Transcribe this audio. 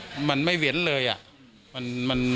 มันเหมือนไม่เหวียนและ